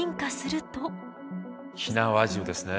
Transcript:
火縄銃ですね。